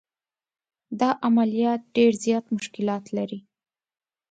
دا عملیات ډېر زیات مشکلات لري.